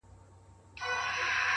خپل فکرونه د عمل لور ته بوځئ؛